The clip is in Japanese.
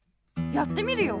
やってみるよ。